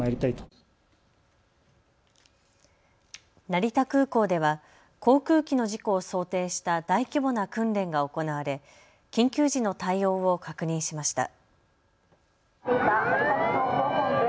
成田空港では航空機の事故を想定した大規模な訓練が行われ、緊急時の対応を確認しました。